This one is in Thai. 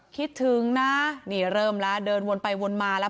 คิดถึงนะนี่เริ่มแล้วเดินวนไปวนมาแล้ว